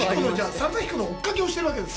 猿田彦の追っかけをしてるわけですか。